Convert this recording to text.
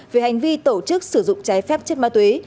về hành vi tổ chức sử dụng trái phép chất ma túy